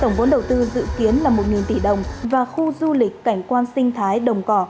tổng vốn đầu tư dự kiến là một tỷ đồng và khu du lịch cảnh quan sinh thái đồng cỏ